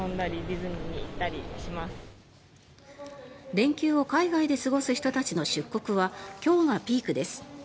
連休を海外で過ごす人たちの出国は今日がピークです。